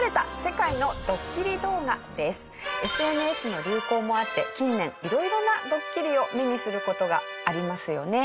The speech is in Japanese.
ＳＮＳの流行もあって近年色々なドッキリを目にする事がありますよね。